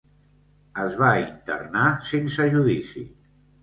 Es va internar sense judici.